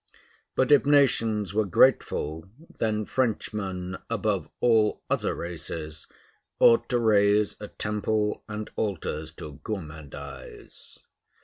But if nations were grateful, then Frenchmen, above all other races, ought to raise a temple and altars to "Gourmandise."